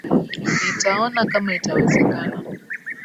Nitaona kama itawezekana